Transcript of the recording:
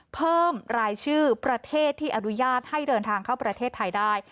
เพิ่มรายชื่อประเทศที่อนุญาตให้เดินทางเข้าประเทศไทยได้